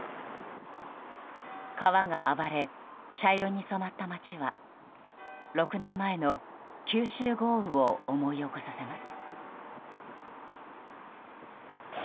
川が暴れ、茶色に染まった街は６年前の九州豪雨を思い出させます。